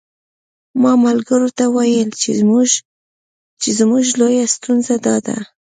ما ملګرو ته ویل چې زموږ لویه ستونزه داده.